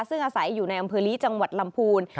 ซึ่งอาศัยอยู่ในอำเภอลีจังหวัดลำพูน